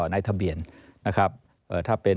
ในทะเบียนนะครับถ้าเป็น